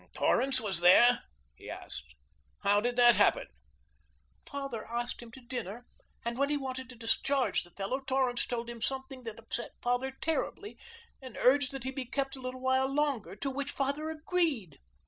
"Torrance was there?" he asked. "How did that happen?" "Father asked him to dinner, and when he wanted to discharge the fellow Torrance told him something that upset father terribly, and urged that he be kept a little while longer, to which father agreed."